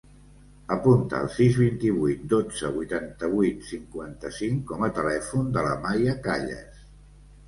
Apunta el sis, vint-i-vuit, dotze, vuitanta-vuit, cinquanta-cinc com a telèfon de la Maia Calles.